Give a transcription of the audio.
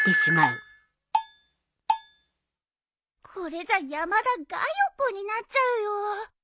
これじゃ「山田がよ子」になっちゃうよ。